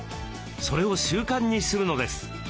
それを習慣にするのです。